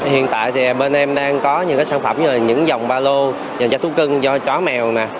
hiện tại thì bên em đang có những cái sản phẩm như là những dòng ba lô dành cho thú cưng do chó mèo